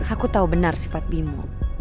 aku tahu benar sifat bimo